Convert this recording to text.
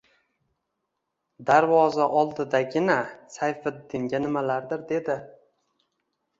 Darvoza oldidagina Sayfiddinga nimalardir dedi